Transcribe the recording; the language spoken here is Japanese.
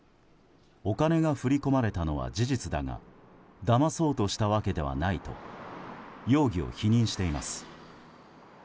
お金が振り込まれたのは事実だがだまそうとしたわけではないと容疑を否認しています。